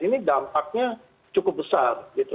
ini dampaknya cukup besar